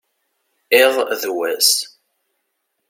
iḍ d wass